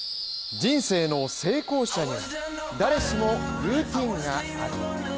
人生の成功者には誰しもルーティンがある。